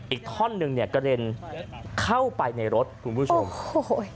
อีกท่อนหนึ่งเนี่ยกระเด็นเข้าไปในรถคุณผู้ชมโอ้โห